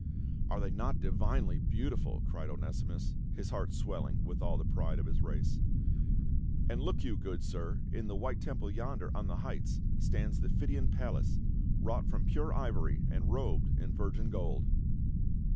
"Are they not divinely beautiful !" cried Onesimus, his heart swelling w^ith all the pride of his race. "And look you, good sir, in the white temple yonder on the heights, stands the Phidian Pallas, wrought from pure ivory, and robed in virgin gold."